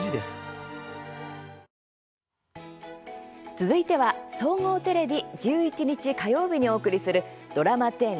続いては総合テレビ１１日、火曜日にお送りするドラマ１０